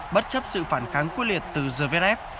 bất chấp sự phản kháng quy liệt từ zverev